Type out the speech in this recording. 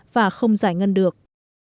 và không giải ngân được